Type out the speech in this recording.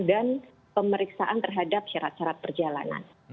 dan pemeriksaan terhadap syarat syarat perjalanan